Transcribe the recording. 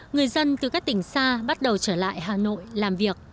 người dân từ các tỉnh xa bắt đầu trở lại hà nội làm việc